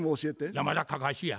山田かかしや。